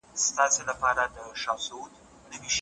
له اوله خدای پیدا کړم له خزان سره همزولی